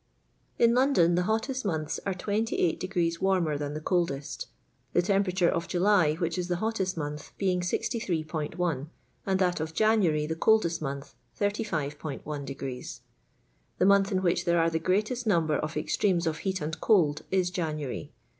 In London the hotteH monthi are 28 degrees warmer than the coldest; the tempentnre of July, which is the hottest month, being 63'1 ; and that of January, the coldest month, 85'1 degrees. The month in which there are the gioatest namber of extremes of heat and cold is January.